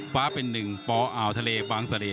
ฟ้าเป็นหนึ่งปอาวทะเลบางสะเล